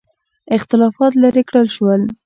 اختلافات لیرې کړل شول.